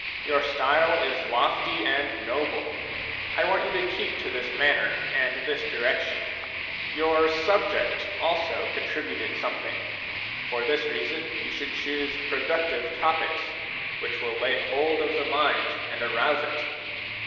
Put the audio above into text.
Your style is lofty and noble ; I want you to keep to this manner and this direction. Your subject also contributed something; for this reason you should choose productive topics, which will lay hold of the mind and arouse it.